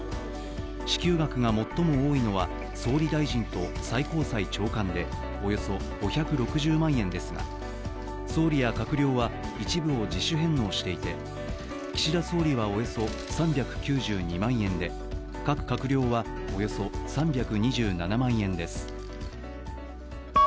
支給額が最も多いのは総理大臣と最高裁長官でおよそ５６０万円ですが、総理や閣僚は一部を自主返納していて岸田総理はおよそ３９２万円で各閣僚はおよそ３２７万円です。